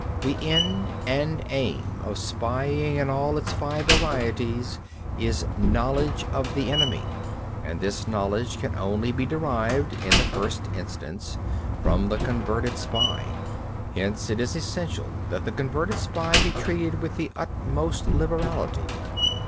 25. The end and aim of spying in all its five varieties is knowledge of the enemy; and this knowledge can only be derived, in the first instance, from the converted spy. Hence it is essential that the converted spy be treated with the utmost liberality.